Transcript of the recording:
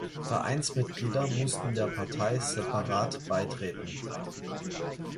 Vereinsmitglieder mussten der Partei separat beitreten.